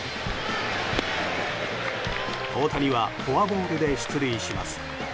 大谷はフォアボールで出塁します。